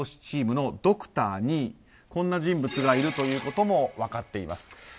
ＲＯＣのドクターにこんな人物がいるということも分かっています。